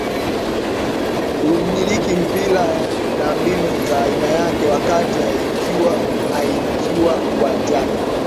Kuumiliki mpira na mbinu za aina yake wakati aikiwa uwanjani